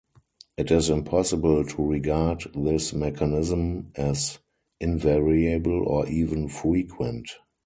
It is impossible to regard this mechanism as invariable or even frequent.